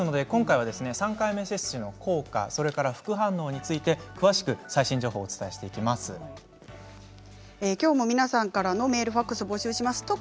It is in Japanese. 今回３回目接種の効果副反応について詳しく最新情報をきょうも皆さんからのメール、ファックス募集します。